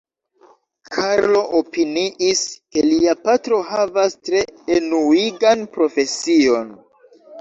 Karlo opiniis, ke lia patro havas tre enuigan profesion.